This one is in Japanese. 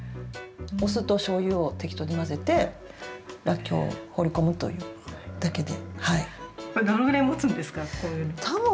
お酢としょうゆを適当に混ぜてらっきょうを放り込むというだけで。